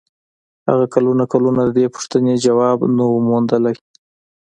هغه کلونه کلونه د دې پوښتنې ځواب و نه موندلای شو.